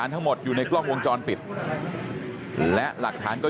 ลูกสาวหลายครั้งแล้วว่าไม่ได้คุยกับแจ๊บเลยลองฟังนะคะ